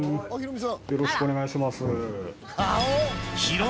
よろしくお願いします。